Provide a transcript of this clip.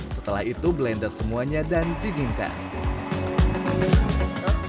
setelah itu blender semuanya dan dinginkan